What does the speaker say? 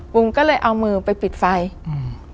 วงก็เลยเอามือไปปิดไฟอืม